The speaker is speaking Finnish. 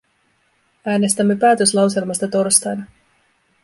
Äänestämme päätöslauselmasta torstaina.